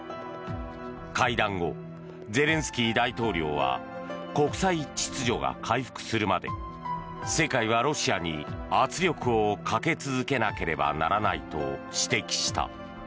会談後、ゼレンスキー大統領は国際秩序が回復するまで世界はロシアに、圧力をかけ続けなければならないと指摘した。